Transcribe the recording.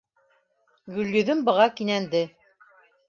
Гөлйөҙөм быға кинәнде.